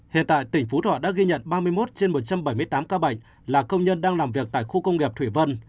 hiện tại tỉnh phú thọ đã ghi nhận ba mươi một trên một trăm bảy mươi tám ca bệnh là công nhân đang làm việc tại khu công nghiệp thủy vân